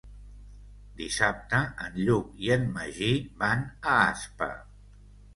Dissabte en Lluc i en Magí van a Aspa.